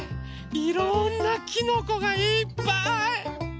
いろんなきのこがいっぱい！